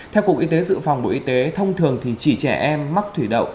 theo cục y tế dự phòng bộ y tế thông thường thì chỉ trẻ em mắc thủy đậu